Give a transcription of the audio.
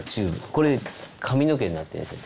これ髪の毛になってんですよ